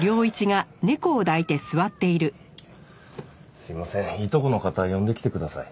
すいませんいとこの方呼んできてください。